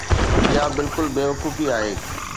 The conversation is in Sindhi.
اها بلڪل بيوقوفي آهي.